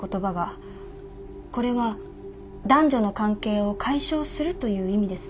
これは男女の関係を解消するという意味ですね？